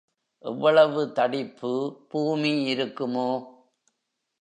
எவ்வளவு தடிப்பு பூமி இருக்குமோ?